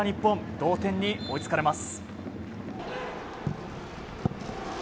同点に追いつかれます。